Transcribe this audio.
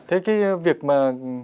thế cái việc mà